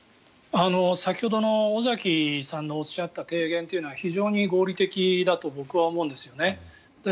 先ほどの尾崎さんのおっしゃった提言は非常に合理的だと僕は思うんですよね。